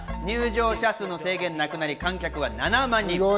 入場者数の制限がなくなり観客は７万人。